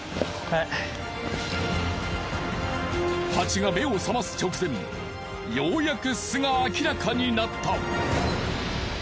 ハチが目を覚ます直前ようやく巣が明らかになった。